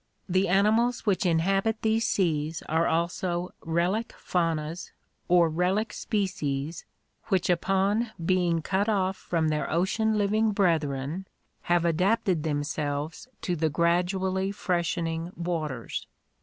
The animals which inhabit these seas are also relic faunas or relic species which upon being cut off from their ocean living brethren have adapted themselves to the gradually BATHYMETRIC DISTRIBUTION 79 freshening waters.